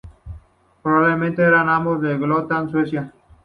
Probablemente eran ambos de Gotland, Suecia.